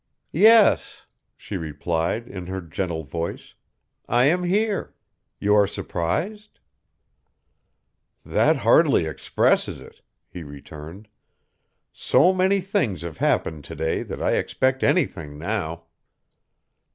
"Yes," she replied in her gentle voice, "I am here. You are surprised?" "That hardly expresses it," he returned. "So many things have happened to day that I expect anything now."